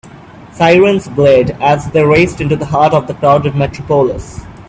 Sirens blared as they raced into the heart of the crowded metropolis.